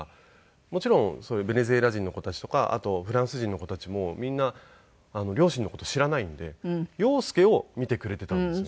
もちろんベネズエラ人の子たちとかあとフランス人の子たちもみんな両親の事知らないんで洋輔を見てくれていたんですよね。